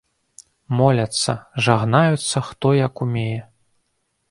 Моляцца, жагнаюцца, хто як умее.